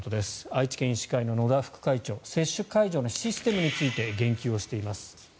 愛知県医師会の野田副会長接種会場のシステムについて言及をしています。